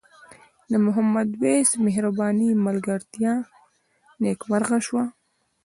د محمد وېس مهربان ملګرتیا نیکمرغه شوه.